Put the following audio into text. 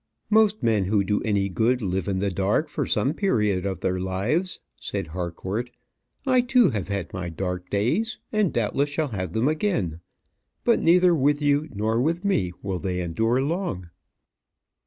"Most men who do any good live in the dark for some period of their lives," said Harcourt. "I, too, have had my dark days, and doubtless shall have them again; but neither with you nor with me will they endure long."